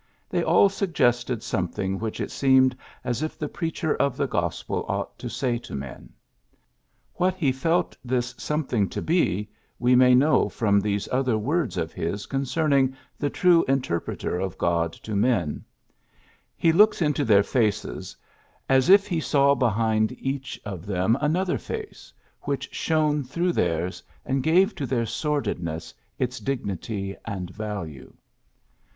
They all suggested some thing which it seemed as if the preacher of the gospel ought to say to men.^' What he felt this something to be, we may know from these other words of his concerning the true interpreter of God to men :^^ He looks into their faces as if he 22 PHILLIPS BEOOKS saw behind each of them another face, which shone through theirs, and gave to their sordidness its dignity and value."